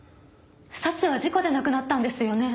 早智は事故で亡くなったんですよね？